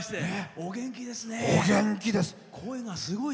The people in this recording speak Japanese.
お元気ですね。